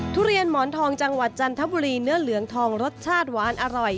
ทุเรียนหมอนทองจังหวัดจันทบุรีเนื้อเหลืองทองรสชาติหวานอร่อย